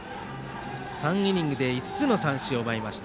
３イニングで５つの三振を奪いました。